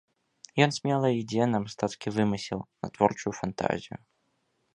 Ён смела ідзе на мастацкі вымысел, на творчую фантазію.